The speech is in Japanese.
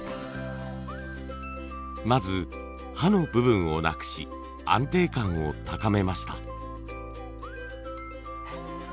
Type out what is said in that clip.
まず歯の部分をなくし安定感を高めました。